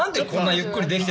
ゆっくりしてて。